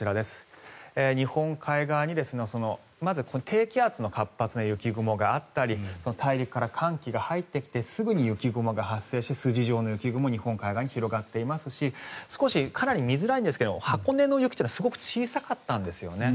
日本海側にまず、低気圧の活発な雪雲があったり大陸から寒気が入ってきてすぐに雪雲が発生して筋状の雪雲日本海側に広がっていますし少し見づらいんですが箱根の雪はすごく小さかったんですよね。